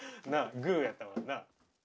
グーやったもんな。